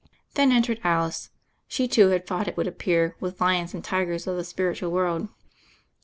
Then entered Alice. She, too, had fought, it would appear, with lions and tigers of the spiritual world.